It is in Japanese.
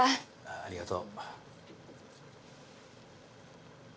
ありがとう。